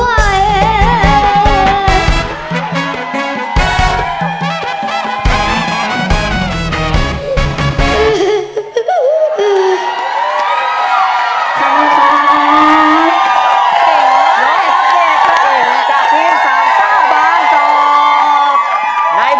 เสียงจากพี่สามสาเหตุ